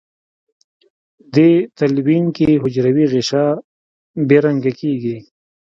دې تلوین کې حجروي غشا بې رنګه کیږي.